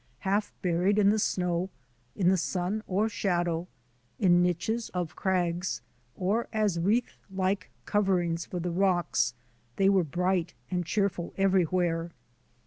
Half buried in the snow, in the sun or shadow, in niches of crags, or as wreath like coverings for the rocks, they were bright and cheerful everywhere.